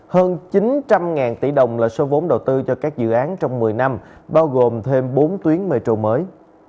hơn chín trăm linh tỷ đồng là số vốn đầu tư cho các dự án trong một mươi năm bao gồm thêm bốn tuyến metro mới